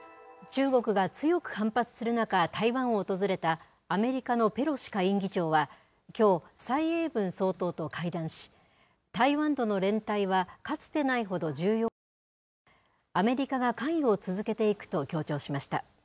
中国が強く反発する中、台湾を訪れたアメリカのペロシ下院議長はきょう、蔡英文総統と会談し、台湾との連帯はかつてないほど重要だと述べ、アメリカが関与を続けていくと強調しました。